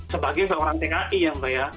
sebagai seorang tki ya mbak ya